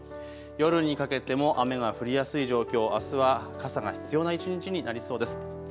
夜にかけても雨が降りやすい状況、あすは傘が必要な一日になりそうです。